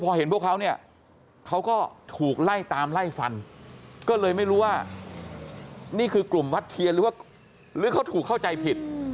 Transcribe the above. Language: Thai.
พอเห็นพวกเขาเนี่ยเขาก็ถูกไล่ตามไล่ฟันก็เลยไม่รู้ว่านี่คือกลุ่มวัดเทียนหรือว่าหรือเขาถูกเข้าใจผิด